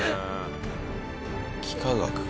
幾何学か。